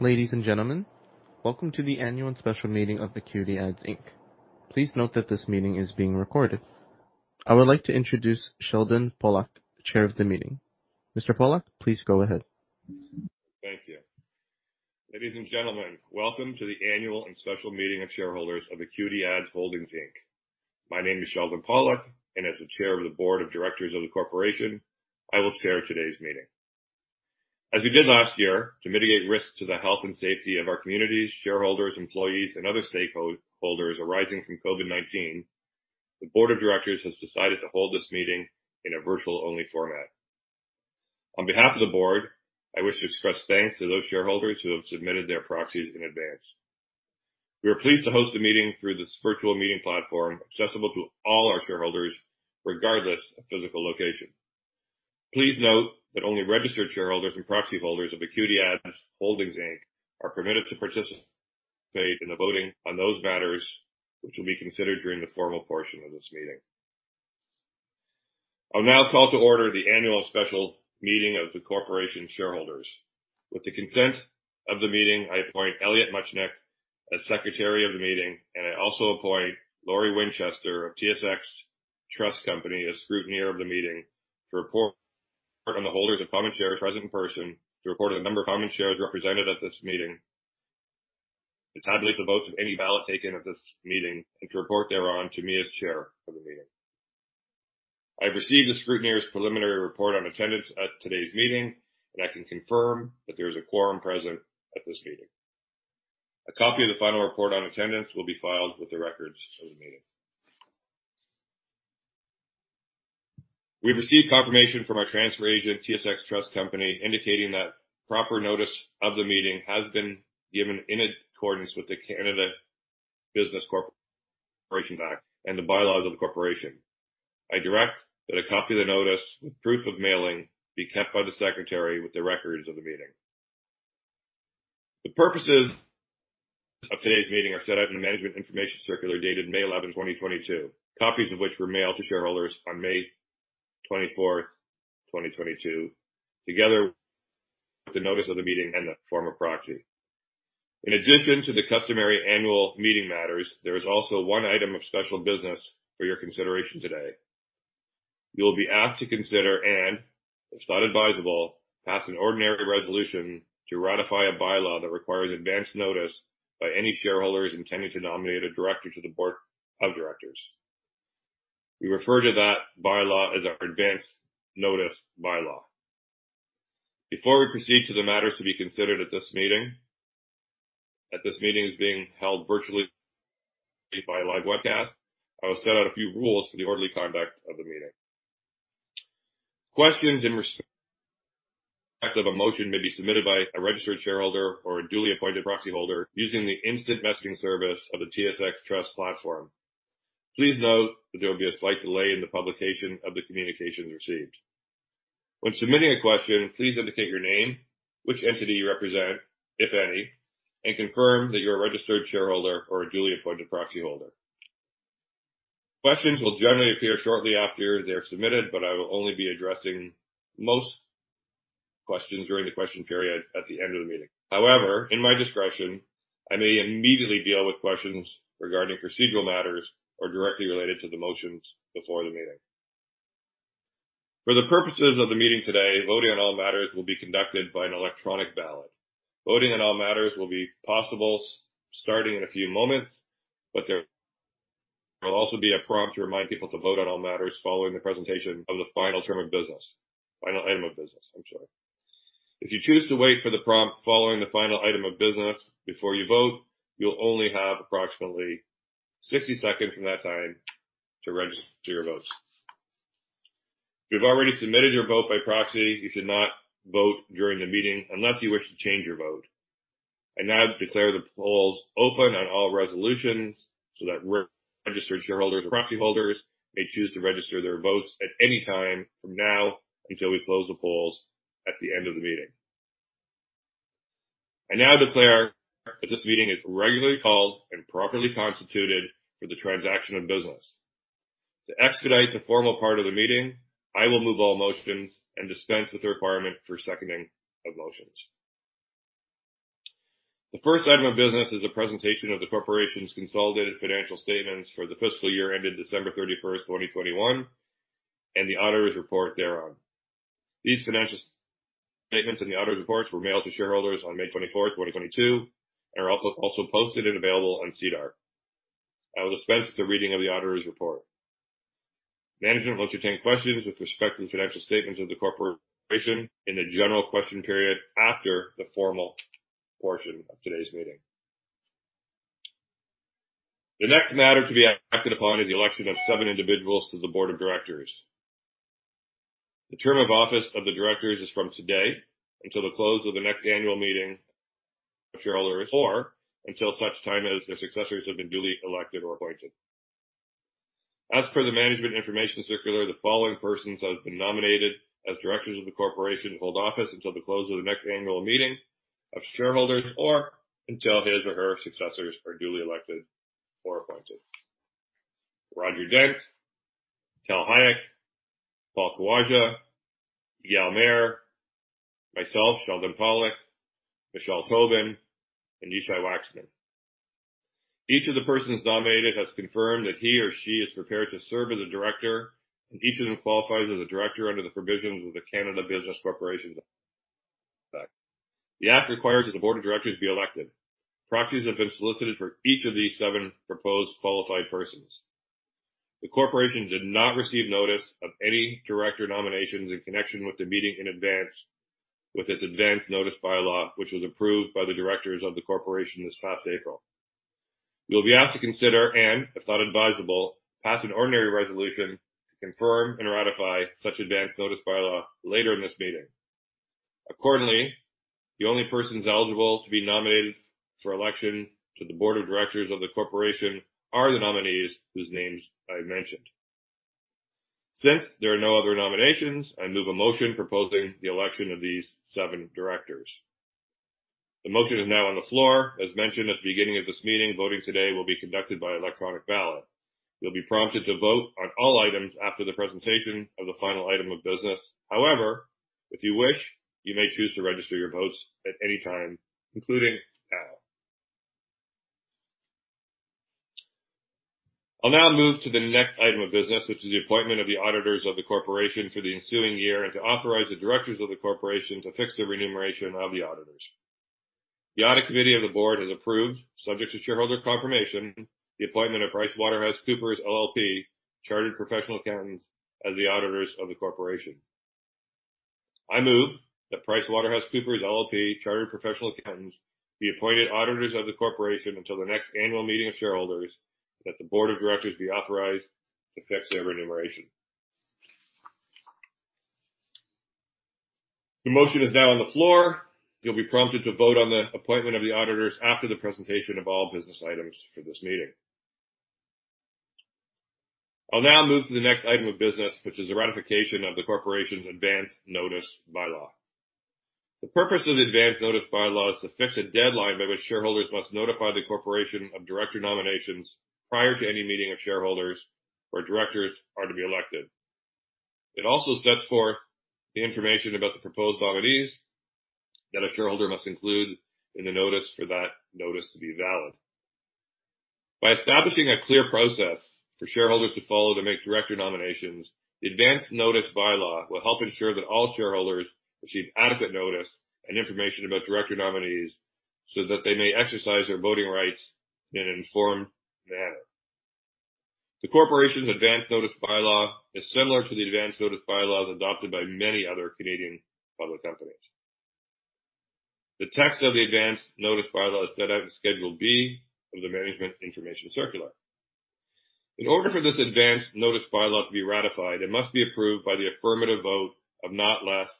Ladies and gentlemen, welcome to the Annual and Special Meeting of AcuityAds Inc. Please note that this meeting is being recorded. I would like to introduce Sheldon Pollack, Chair of the meeting. Mr. Pollack, please go ahead. Thank you. Ladies and gentlemen, welcome to the annual and special meeting of shareholders of AcuityAds Holdings Inc. My name is Sheldon Pollack, and as the Chair of the Board of Directors of the Corporation, I will chair today's meeting. As we did last year to mitigate risks to the health and safety of our communities, shareholders, employees, and other stakeholders arising from COVID-19, the Board of Directors has decided to hold this meeting in a virtual only format. On behalf of the Board, I wish to express thanks to those shareholders who have submitted their proxies in advance. We are pleased to host the meeting through this virtual meeting platform accessible to all our shareholders, regardless of physical location. Please note that only registered shareholders and proxy holders of AcuityAds Holdings Inc. Are permitted to participate in the voting on those matters, which will be considered during the formal portion of this meeting. I'll now call to order the annual special meeting of the corporation shareholders. With the consent of the meeting, I appoint Elliot Muchnik as secretary of the meeting, and I also appoint Lori Winchester of TSX Trust Company as scrutineer of the meeting to report on the holders of common shares present in person, to report on the number of common shares represented at this meeting, to tabulate the votes of any ballot taken at this meeting, and to report thereon to me as chair of the meeting. I have received the scrutineer's preliminary report on attendance at today's meeting, and I can confirm that there is a quorum present at this meeting. A copy of the final report on attendance will be filed with the records of the meeting. We have received confirmation from our transfer agent, TSX Trust Company, indicating that proper notice of the meeting has been given in accordance with the Canada Business Corporations Act and the bylaws of the corporation. I direct that a copy of the notice with proof of mailing be kept by the secretary with the records of the meeting. The purposes of today's meeting are set out in the management information circular dated May 11, 2022. Copies of which were mailed to shareholders on May 24th, 2022, together with the notice of the meeting and the form of proxy. In addition to the customary annual meeting matters, there is also one item of special business for your consideration today. You'll be asked to consider and, if thought advisable, pass an ordinary resolution to ratify a bylaw that requires advanced notice by any shareholders intending to nominate a director to the board of directors. We refer to that bylaw as our advanced notice bylaw. Before we proceed to the matters to be considered at this meeting, as this meeting is being held virtually by live webcast, I will set out a few rules for the orderly conduct of the meeting. Questions in respect of a motion may be submitted by a registered shareholder or a duly appointed proxy holder using the instant messaging service of the TSX Trust platform. Please note that there will be a slight delay in the publication of the communications received. When submitting a question, please indicate your name, which entity you represent, if any, and confirm that you're a registered shareholder or a duly appointed proxy holder. Questions will generally appear shortly after they're submitted, but I will only be addressing most questions during the question period at the end of the meeting. However, in my discretion, I may immediately deal with questions regarding procedural matters or directly related to the motions before the meeting. For the purposes of the meeting today, voting on all matters will be conducted by an electronic ballot. Voting on all matters will be possible starting in a few moments, but there will also be a prompt to remind people to vote on all matters following the presentation of the final item of business. I'm sorry. If you choose to wait for the prompt following the final item of business before you vote, you'll only have approximately 60 seconds from that time to register your votes. If you've already submitted your vote by proxy, you should not vote during the meeting unless you wish to change your vote. I now declare the polls open on all resolutions so that re-registered shareholders or proxy holders may choose to register their votes at any time from now until we close the polls at the end of the meeting. I now declare that this meeting is regularly called and properly constituted for the transaction of business. To expedite the formal part of the meeting, I will move all motions and dispense with the requirement for seconding of motions. The first item of business is a presentation of the corporation's consolidated financial statements for the fiscal year ended December 31, 2021, and the auditor's report thereon. These financial statements and the auditor's reports were mailed to shareholders on May 24, 2022, and are also posted and available on SEDAR. I will dispense with the reading of the auditor's report. Management will entertain questions with respect to the financial statements of the corporation in the general question period after the formal portion of today's meeting. The next matter to be acted upon is the election of seven individuals to the board of directors. The term of office of the directors is from today until the close of the next annual meeting of shareholders or until such time as their successors have been duly elected or appointed. As per the management information circular, the following persons have been nominated as directors of the corporation to hold office until the close of the next annual meeting of shareholders or until his or her successors are duly elected or appointed. Roger Dent, Tal Hayek, Paul Khawaja, Igal Mayer, myself, Sheldon Pollack, Michele Tobin, and Yishay Waxman. Each of the persons nominated has confirmed that he or she is prepared to serve as a director, and each of them qualifies as a director under the provisions of the Canada Business Corporations Act. The act requires that the board of directors be elected. Proxies have been solicited for each of these seven proposed qualified persons. The corporation did not receive notice of any director nominations in connection with the meeting in advance with this Advance Notice By-law, which was approved by the directors of the corporation this past April. You'll be asked to consider and, if thought advisable, pass an ordinary resolution to confirm and ratify such Advance Notice By-law later in this meeting. Accordingly, the only persons eligible to be nominated for election to the Board of Directors of the corporation are the nominees whose names I mentioned. Since there are no other nominations, I move a motion proposing the election of these seven directors. The motion is now on the floor. As mentioned at the beginning of this meeting, voting today will be conducted by electronic ballot. You'll be prompted to vote on all items after the presentation of the final item of business. However, if you wish, you may choose to register your votes at any time, including now. I'll now move to the next item of business, which is the appointment of the auditors of the corporation for the ensuing year and to authorize the directors of the corporation to fix the remuneration of the auditors. The audit committee of the board has approved, subject to shareholder confirmation, the appointment of PricewaterhouseCoopers LLP, Chartered Professional Accountants, as the auditors of the corporation. I move that PricewaterhouseCoopers LLP, Chartered Professional Accountants, be appointed auditors of the corporation until the next annual meeting of shareholders, and that the board of directors be authorized to fix their remuneration. The motion is now on the floor. You'll be prompted to vote on the appointment of the auditors after the presentation of all business items for this meeting. I'll now move to the next item of business, which is the ratification of the corporation's Advance Notice By-law. The purpose of the Advance Notice By-law is to fix a deadline by which shareholders must notify the corporation of director nominations prior to any meeting of shareholders where directors are to be elected. It also sets forth the information about the proposed nominees that a shareholder must include in the notice for that notice to be valid. By establishing a clear process for shareholders to follow to make director nominations, the Advance Notice By-law will help ensure that all shareholders receive adequate notice and information about director nominees so that they may exercise their voting rights in an informed manner. The corporation's Advance Notice By-law is similar to the Advance Notice By-laws adopted by many other Canadian public companies. The text of the Advance Notice By-law is set out in Schedule B of the management information circular. In order for this Advance Notice By-law to be ratified, it must be approved by the affirmative vote of not less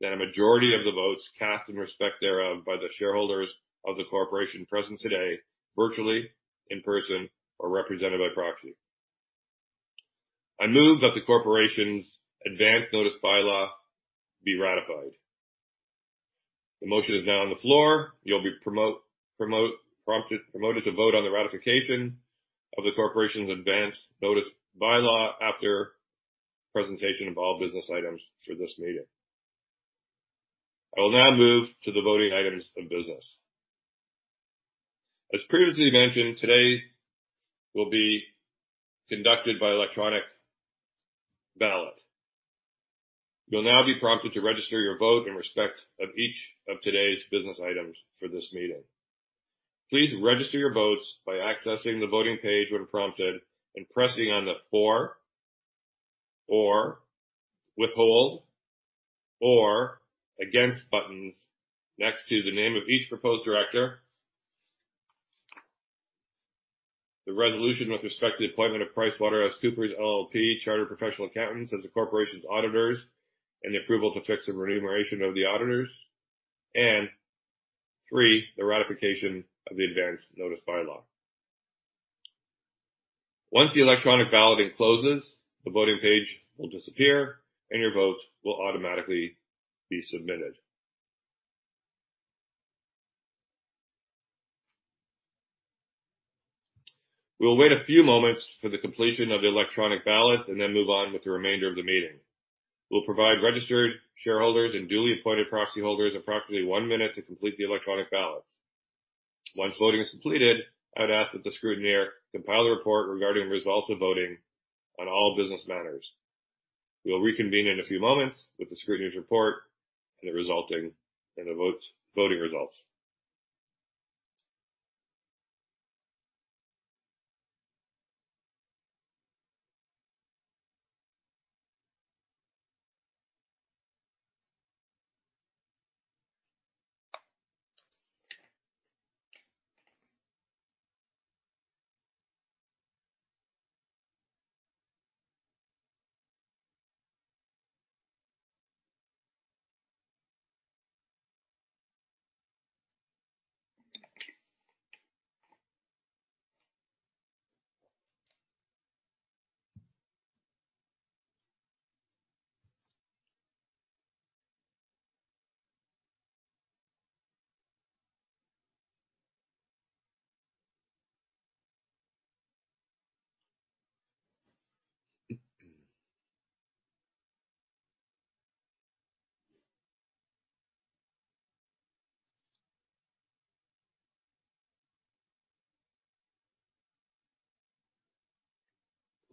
than a majority of the votes cast in respect thereof by the shareholders of the corporation present today, virtually, in person, or represented by proxy. I move that the corporation's Advance Notice By-law be ratified. The motion is now on the floor. You'll be prompted to vote on the ratification of the corporation's Advance Notice By-law after presentation of all business items for this meeting. I will now move to the voting items of business. As previously mentioned, today will be conducted by electronic ballot. You'll now be prompted to register your vote in respect of each of today's business items for this meeting. Please register your votes by accessing the voting page when prompted and pressing on the for or withhold or against buttons next to the name of each proposed director. The resolution with respect to the appointment of PricewaterhouseCoopers LLP, Chartered Professional Accountants, as the corporation's auditors and the approval to fix the remuneration of the auditors. Three, the ratification of the Advance Notice By-law. Once the electronic balloting closes, the voting page will disappear, and your vote will automatically be submitted. We will wait a few moments for the completion of the electronic ballot and then move on with the remainder of the meeting. We'll provide registered shareholders and duly appointed proxy holders approximately one minute to complete the electronic ballot. Once voting is completed, I would ask that the scrutineer compile the report regarding results of voting on all business matters. We will reconvene in a few moments with the scrutineer's report and the votes, voting results.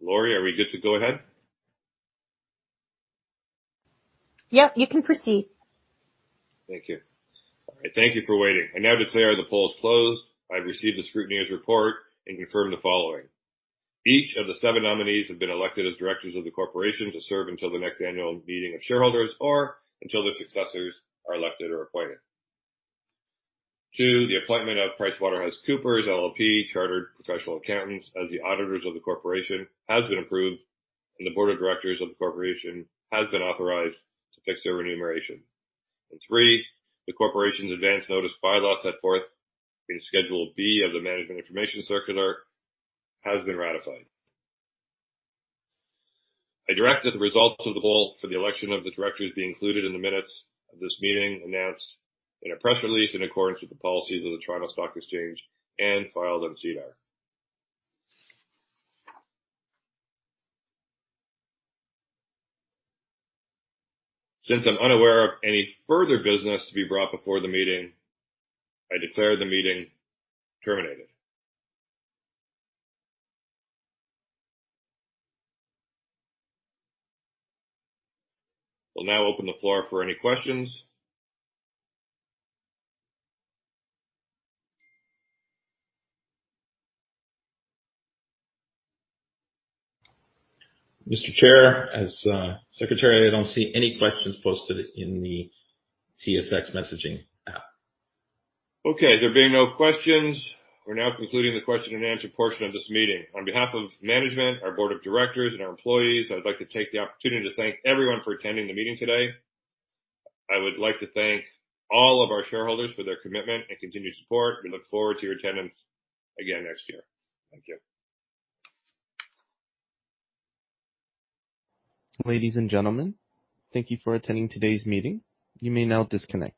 Lori, are we good to go ahead? Yep, you can proceed. Thank you. All right. Thank you for waiting. I now declare the polls closed. I've received the scrutineer's report and confirm the following. Each of the seven nominees have been elected as directors of the corporation to serve until the next annual meeting of shareholders or until their successors are elected or appointed. Two, the appointment of PricewaterhouseCoopers LLP, Chartered Professional Accountants, as the auditors of the corporation has been approved, and the Board of Directors of the corporation has been authorized to fix their remuneration. Three, the corporation's advanced notice bylaw set forth in Schedule B of the Management Information Circular has been ratified. I direct that the results of the poll for the election of the directors be included in the minutes of this meeting, announced in a press release in accordance with the policies of the Toronto Stock Exchange and filed on SEDAR. Since I'm unaware of any further business to be brought before the meeting, I declare the meeting terminated. We'll now open the floor for any questions. Mr. Chair, as secretary, I don't see any questions posted in the TSX messaging app. Okay. There being no questions, we're now concluding the question and answer portion of this meeting. On behalf of management, our Board of Directors, and our employees, I'd like to take the opportunity to thank everyone for attending the meeting today. I would like to thank all of our shareholders for their commitment and continued support. We look forward to your attendance again next year. Thank you. Ladies and gentlemen, thank you for attending today's meeting. You may now disconnect.